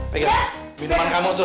bikin minuman kamu tuh